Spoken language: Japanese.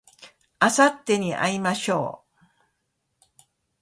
あさってに会いましょう